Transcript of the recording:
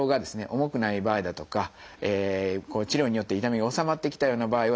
重くない場合だとか治療によって痛みが治まってきたような場合はですね